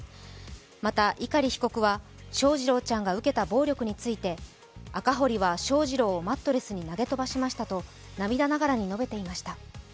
また碇被告は翔士郎ちゃんが受けた暴力について赤堀は翔士郎をマットレスに投げ飛ばしましたと涙ながらに述べていました。